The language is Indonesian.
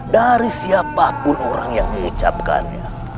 dari siapapun orang yang mengucapkannya